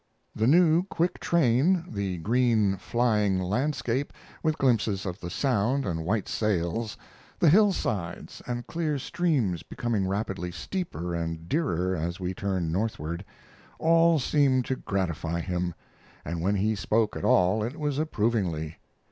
The new, quick train, the green, flying landscape, with glimpses of the Sound and white sails, the hillsides and clear streams becoming rapidly steeper and dearer as we turned northward: all seemed to gratify him, and when he spoke at all it was approvingly.